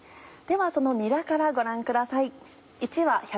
ではそのにらからご覧ください。